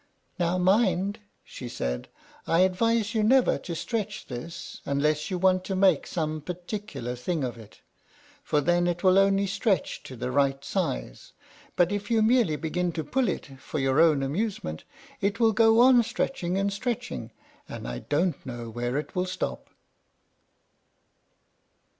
"Now mind," she said, "I advise you never to stretch this unless you want to make some particular thing of it, for then it will only stretch to the right size; but if you merely begin to pull it for your own amusement, it will go on stretching and stretching, and I don't know where it will stop."